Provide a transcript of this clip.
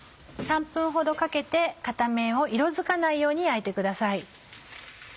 ３分ほどかけて片面を色づかないように焼いてください。